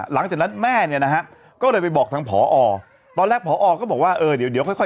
หลังจากนั้นแม่เนี่ยนะฮะก็เลยไปบอกทางผอตอนแรกผอก็บอกว่าเออเดี๋ยวเดี๋ยวค่อยค่อย